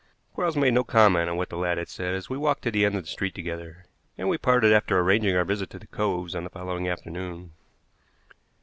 Quarles made no comment on what the lad had said as we walked to the end of the street together, and we parted after arranging our visit to the coves on the following afternoon.